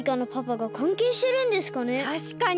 たしかに！